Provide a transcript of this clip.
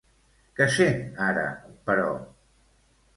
Què sent ara, però?